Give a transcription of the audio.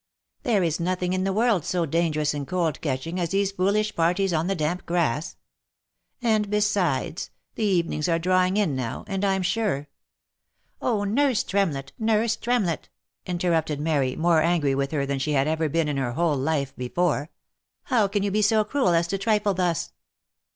There is nothing in the whole world so dangerous and cold catching, as these foolish parties on the damp grass. And besides, the evenings are drav/ing in now, and I'm sure" — f Oh ! Nurse Tremlett ! Nurse Tremlett !" interrupted Mary, more angry with her than she had ever been in her whole life before, " How can you be so cruel as to trifle thus?